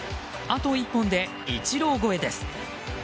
あと１本でイチロー超えです。